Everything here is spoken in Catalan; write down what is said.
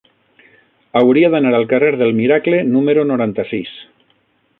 Hauria d'anar al carrer del Miracle número noranta-sis.